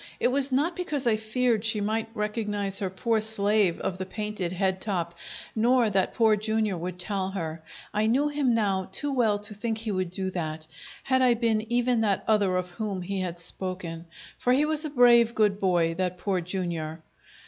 It was not because I feared she might recognize her poor slave of the painted head top, nor that Poor Jr. would tell her. I knew him now too well to think he would do that, had I been even that other of whom he had spoken, for he was a brave, good boy, that Poor Jr.